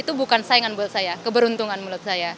itu bukan saingan buat saya keberuntungan menurut saya